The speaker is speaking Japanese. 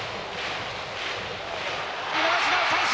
見逃しの三振！